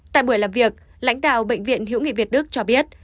tại buổi làm việc lãnh đạo bệnh viện hữu nghị việt đức cho biết